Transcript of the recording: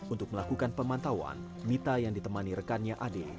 untuk melakukan pemantauan mita yang ditemani rekannya ade